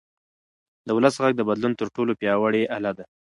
د ولس غږ د بدلون تر ټولو پیاوړی اله ده